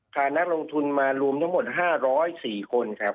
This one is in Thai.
นักลงทุนมารวมทั้งหมด๕๐๔คนครับ